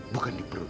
bukan di perut